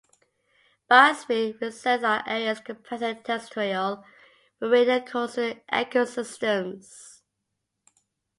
Biosphere reserves are areas comprising terrestrial, marine and coastal ecosystems.